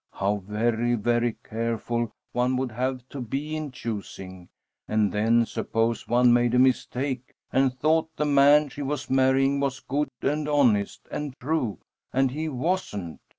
How very, very careful one would have to be in choosing, and then suppose one made a mistake and thought the man she was marrying was good and honest and true, and he wasn't!